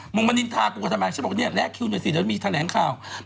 งมนินทากูกับทำไมฉันบอกเนี่ยแลกคิวหน่อยสิเดี๋ยวมีแถลงข่าว